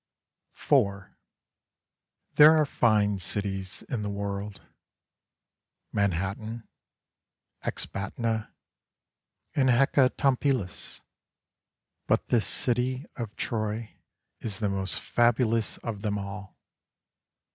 28 Beauty. IV. ' There are fine cities in the world — Manhattan, Ecbatana and Hecatompylus — but this city of Troy is the most fabulous of them all.